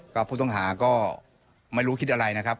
ก็ผู้ต้องหาก็ไม่รู้คิดอะไรนะครับ